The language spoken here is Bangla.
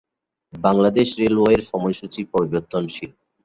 বাংলাদেশ রেলওয়ের সময়সূচী পরিবর্তনশীল।